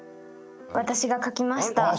私が書きました。